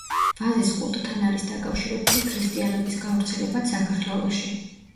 ვაზის კულტთან არის დაკავშირებული ქრისტიანობის გავრცელებაც საქართველოში.